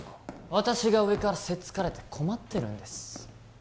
私が上からせっつかれて困ってるんです